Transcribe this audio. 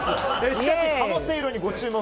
しかし、鴨せいろにご注目。